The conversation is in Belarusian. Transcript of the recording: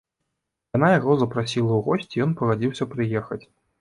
Яна яго запрасіла ў госці і ён пагадзіўся прыехаць.